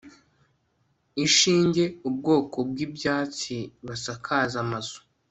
ishinge ubwoko bw'ibyatsi basakazaga amazu